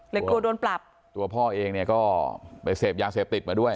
กลัวโดนปรับตัวพ่อเองเนี่ยก็ไปเสพยาเสพติดมาด้วย